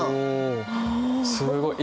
おすごい。